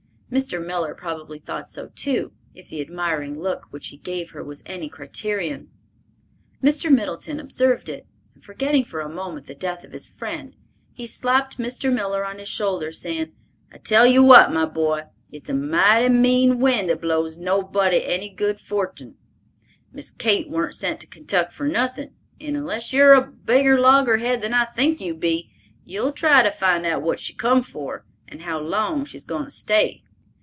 Mr. Miller probably thought so too, if the admiring look which he gave her was any criterion. Mr. Middleton observed it, and forgetting for a moment the death of his friend, he slapped Mr. Miller on his shoulder, saying, "I tell you what, my boy; it's a mighty mean wind that blows nobody any good fortin. Miss Kate warn't sent to Kentuck for nothin', and unless you're a bigger logger head than I think you be, you'll try to find out what she come for, and how long she's goin' to stay."